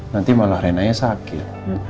nanti malah renanya sakit